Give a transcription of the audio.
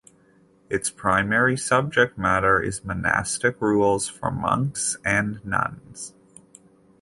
Its primary subject matter is the monastic rules for monks and nuns.